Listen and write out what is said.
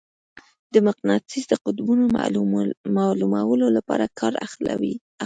د مقناطیس د قطبونو معلومولو لپاره کار اخلو.